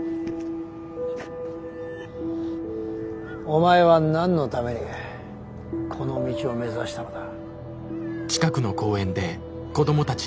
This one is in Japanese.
お前は何のためにこの道を目指したのだ？